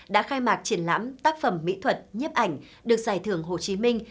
đã khai mạc triển lãm tác phẩm mỹ thuật nhếp ảnh được giải thưởng hồ chí minh